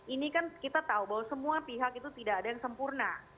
ini kan kita tahu bahwa semua pihak itu tidak ada yang sempurna